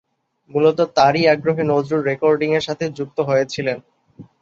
মূলত তারই আগ্রহে নজরুল রেকর্ডিংয়ের সাথে যুক্ত হয়েছিলেন।